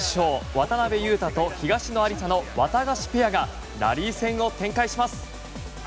渡辺勇大と東野有紗のワタガシペアがラリー戦を展開します。